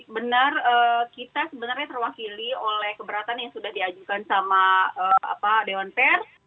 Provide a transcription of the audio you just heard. jadi benar kita sebenarnya terwakili oleh keberatan yang sudah diajukan sama dewan pers